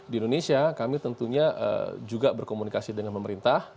di indonesia kami tentunya juga berkomunikasi dengan pemerintah